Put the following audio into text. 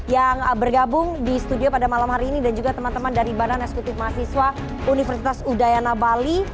yang bergabung di studio pada malam hari ini dan juga teman teman dari badan eksekutif mahasiswa universitas udayana bali